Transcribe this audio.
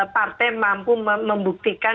partai mampu membuktikan